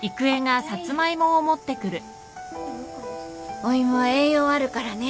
お芋は栄養あるからね。